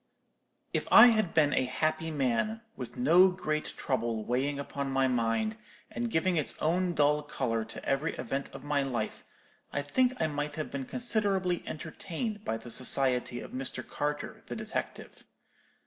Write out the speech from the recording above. "If I had been a happy man, with no great trouble weighing upon my mind, and giving its own dull colour to every event of my life, I think I might have been considerably entertained by the society of Mr. Carter, the detective.